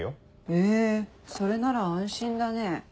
へぇそれなら安心だね。